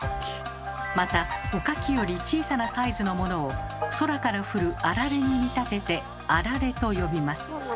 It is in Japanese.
またおかきより小さなサイズのものを空から降る霰に見立てて「あられ」と呼びます。